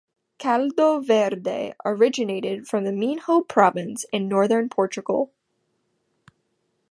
"Caldo verde" originated from the Minho Province in northern Portugal.